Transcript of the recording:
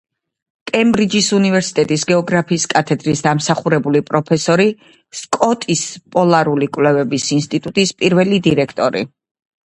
კემბრიჯის უნივერსიტეტის გეოგრაფიის კათედრის დამსახურებული პროფესორი, სკოტის პოლარული კვლევების ინსტიტუტის პირველი დირექტორი.